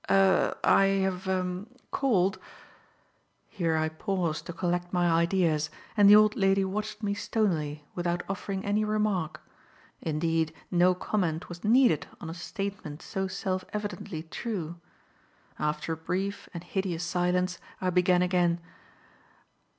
"Er I have er called " Here I paused to collect my ideas and the old lady watched me stonily without offering any remark; indeed no comment was needed on a statement so self evidently true. After a brief and hideous silence I began again.